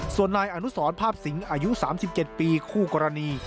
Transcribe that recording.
ส่วนนายอนุสรภาพสิงอายุ๓๗ปีคู่กรณี